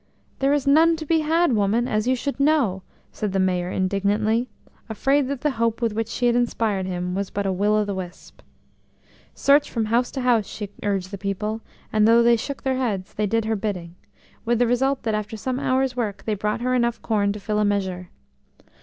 "There is none to be had, woman, as you should know," said the Mayor indignantly, afraid that the hope with which she had inspired him was but a will o' the wisp. "Search from house to house," she urged the people, and, though they shook their heads, they did her bidding, with the result that after some hours' work they brought her enough corn to fill a measure.